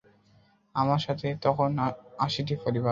আমার সাথে তখন আশিটি পরিবার।